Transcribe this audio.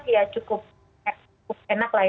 bawa baju baju buku buku dan lain lain